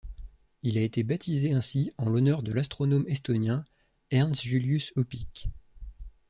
Il a été baptisé ainsi en l'honneur de l'astronome estonien Ernst Julius Öpik.